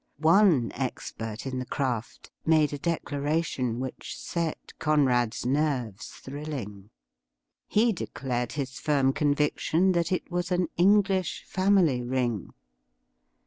One expert in the craft made a declaration which set Conrad's nerves thrilling. He declared his firm conviction that it was an English family ring.